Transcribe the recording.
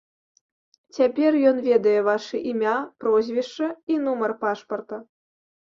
Цяпер ён ведае вашы імя, прозвішча і нумар пашпарта.